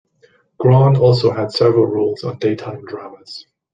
Grahn also has had several roles on daytime dramas.